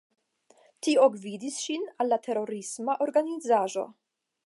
Tio gvidis ŝin al la terorisma organizaĵo.